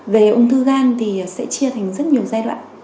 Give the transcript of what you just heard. về ung thư gan thì sẽ chia thành rất nhiều giai đoạn